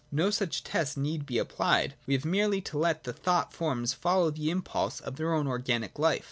No such test need be apphed : we have merely to let the thought forms follow the impulse of their own organic life.